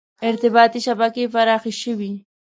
• ارتباطي شبکې پراخې شوې.